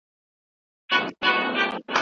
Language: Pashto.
لارې چارې برابرې سوې دي.